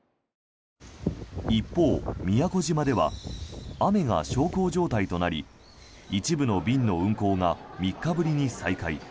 一方、宮古島では雨が小康状態となり一部の便の運航が３日ぶりに再開。